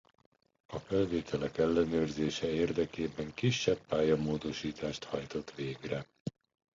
A felvételek ellenőrzése érdekében kisebb pályamódosítást hajtott végre.